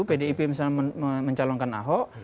pdip misalnya mencalonkan ahok